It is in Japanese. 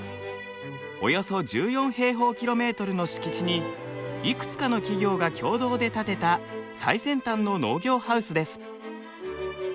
およそ１４平方ｋｍの敷地にいくつかの企業が共同で建てた最先端の農業ハウスです。